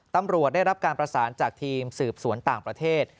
ตำรวจได้รับการประสานจากทีมสืบสวนต่างประเทศ